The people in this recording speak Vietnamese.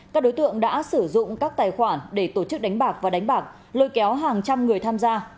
các đối tượng đã sử dụng các tài khoản để tổ chức đánh bạc và đánh bạc lôi kéo hàng trăm người tham gia